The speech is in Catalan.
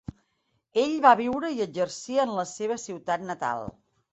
Ell va viure i exercir en la seva ciutat natal.